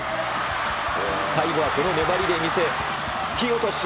最後はこの粘りで見せ、突き落とし。